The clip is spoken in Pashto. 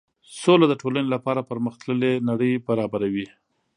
سوله د ټولنې لپاره پرمخ تللې نړۍ برابروي.